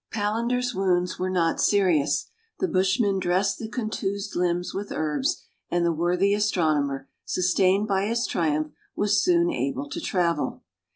Palander's wounds were not serious : the busTiman dressed the contused hmbs with herbs, and the worthy astronomer, sustained by his triumph, was soon able to travel.